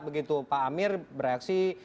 begitu pak amir bereaksi